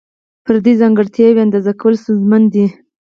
فردي ځانګړتیاوې اندازه کول ستونزمن دي.